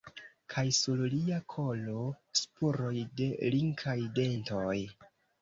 Kaj sur lia kolo – spuroj de linkaj dentoj.